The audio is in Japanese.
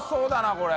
これ。